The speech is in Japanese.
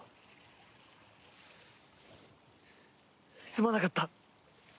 すまなかった！